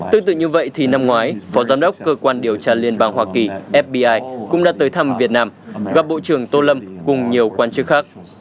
tương tự như vậy thì năm ngoái phó giám đốc cơ quan điều tra liên bang hoa kỳ fbi cũng đã tới thăm việt nam gặp bộ trưởng tô lâm cùng nhiều quan chức khác